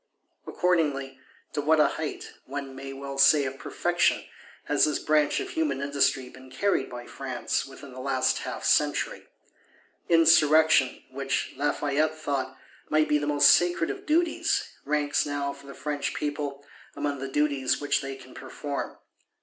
Accordingly, to what a height, one may well say of perfection, has this branch of human industry been carried by France, within the last half century! Insurrection, which, Lafayette thought, might be "the most sacred of duties," ranks now, for the French people, among the duties which they can perform.